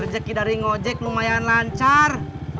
rezeki dari ngojek lumayan lancar